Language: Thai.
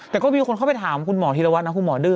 แต่ก็มีคนเข้าไปถามคุณหมอธีรวัตนะคุณหมอดื้อ